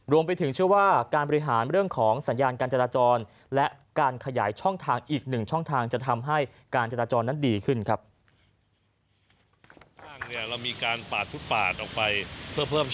รวมไปถึงเชื่อว่าการบริหารเรื่องของสัญญาณการจราจรและการขยายช่องทางอีกหนึ่งช่องทางจะทำให้การจราจรนั้นดีขึ้นครับ